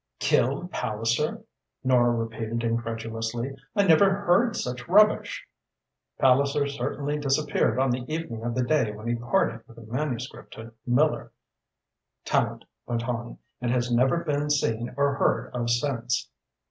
"Killed Palliser!" Nora repeated incredulously. "I never heard such rubbish!" "Palliser certainly disappeared on the evening of the day when he parted with the manuscript to Miller," Tallente went on, "and has never been seen or heard of since."